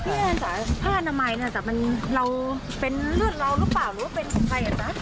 อันนี้อาจารย์ผ้านามัยแต่มันเป็นเลือดเราหรือเปล่าหรือว่าเป็นใครอ่ะจ๊ะ